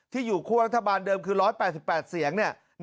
ที่อยู่คั่วรัฐบาลเดิมคือ๑๘๘เสียง